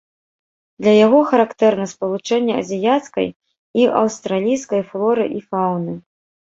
Для яго характэрна спалучэнне азіяцкай і аўстралійскай флоры і фаўны.